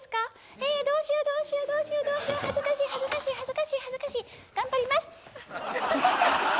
えっどうしようどうしようどうしようどうしよう恥ずかしい恥ずかしい恥ずかしい恥ずかしい頑張ります